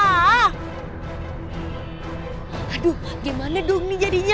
aduh gimana dong nih jadinya